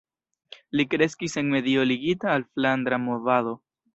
Li kreskis en medio ligita al Flandra Movado.